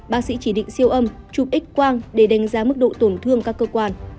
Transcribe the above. bác sĩ chỉ định siêu âm chụp x quang để đánh giá mức độ tổn thương các cơ quan